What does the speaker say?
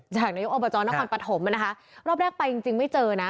นายกอบจนครปฐมนะคะรอบแรกไปจริงจริงไม่เจอนะ